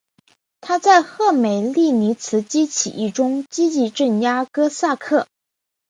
他在赫梅利尼茨基起义中积极镇压哥萨克。